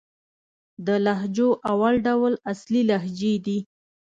د لهجو اول ډول اصلي لهجې دئ.